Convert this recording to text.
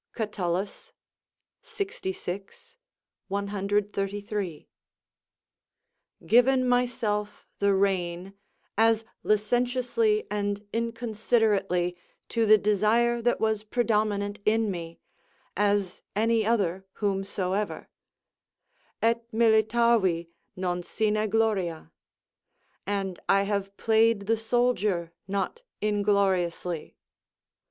Catullus, lxvi. 133.] given myself the rein as licentiously and inconsiderately to the desire that was predominant in me, as any other whomsoever: "Et militavi non sine gloria;" ["And I have played the soldier not ingloriously."